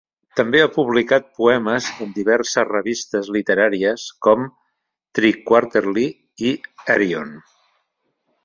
També ha publicat poemes en diverses revistes literàries com "TriQuarterly" i "Arion".